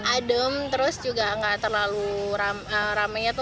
adem terus juga gak terlalu ramai